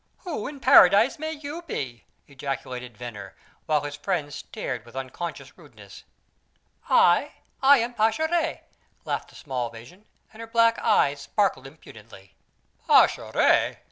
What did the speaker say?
"Who in paradise may you be?" ejaculated Venner, while his friends stared with unconscious rudeness. "I? I am Pascherette!" laughed the small vision, and her black eyes sparkled impudently. "Pascherette!"